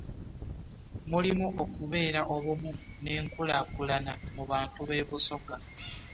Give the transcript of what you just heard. Mulimu okubeera obumu n'enkulaakulana mu bantu b'e Busoga